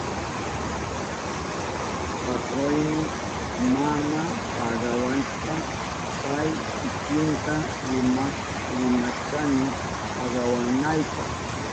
Patroyni mana pagawashpan pay kikinta rimak rishkani pagawananpa.